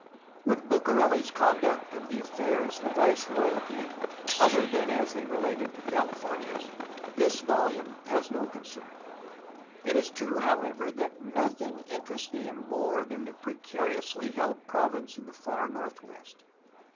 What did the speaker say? With Bucareli's conduct of the affairs of the viceroyalty other than as they related to the Cahfornias this volimae has no concern. It is true, however, that nothing interested him more than the precariously held province in the far north west.